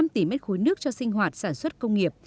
năm tỷ mét khối nước cho sinh hoạt sản xuất công nghiệp